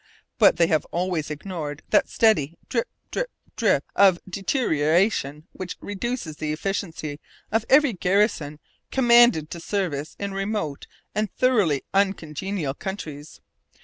But they have always ignored that steady drip, drip, drip of deterioration which reduces the efficiency of every garrison condemned to service in remote and thoroughly uncongenial countries.